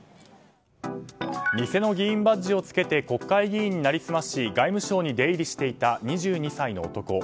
偽の議員バッジをつけて国会議員に成り済まし外務省に出入りしていた２２歳の男。